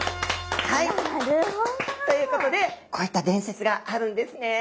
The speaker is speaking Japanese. なるほど！ということでこういった伝説があるんですね。